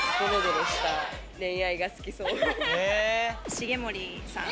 重盛さん。